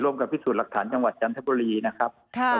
กับพิสูจน์หลักฐานจังหวัดจันทบุรีนะครับ